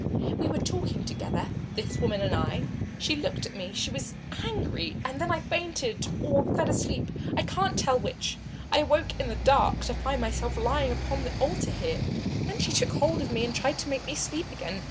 "We were talking together, this woman and I. She looked at me she was angry and then I fainted, or fell asleep, I cannot tell which. I awoke in the dark to find myself lying upon the altar here. Then she took hold of me and tried to make me sleep again.